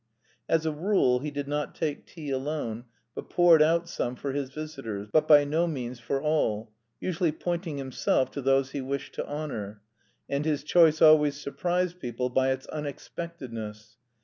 As a rule, he did not take tea alone, but poured out some for his visitors, but by no means for all, usually pointing himself to those he wished to honour. And his choice always surprised people by its unexpectedness.